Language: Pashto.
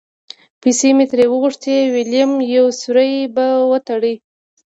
پیسې مې ترې وغوښتې؛ وېلم یو سوری به وتړي.